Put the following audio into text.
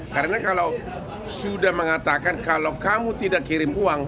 karena kalau sudah mengatakan kalau kamu tidak kirim uang